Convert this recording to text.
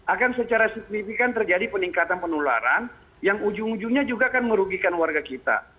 akan secara signifikan terjadi peningkatan penularan yang ujung ujungnya juga akan merugikan warga kita